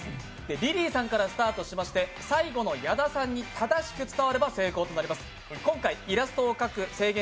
リリーさんからスタートしまして最後の矢田さんに正しく伝われば成功となります。